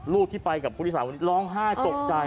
ลูกที่ไปกับผู้โดยศาลล้้องห้าตกใจ